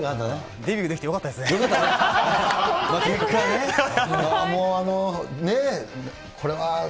デビューできてよかったですよかったね。